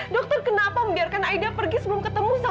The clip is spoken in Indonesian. dokter kenapa membiarkan aida pergi sebelum ketemu sama saya dok